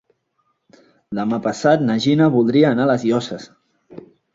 Demà passat na Gina voldria anar a les Llosses.